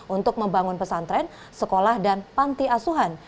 untuk membangun pesantren sekolah dan panti asuhan